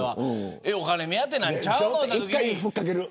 お金目当てなんちゃうんの。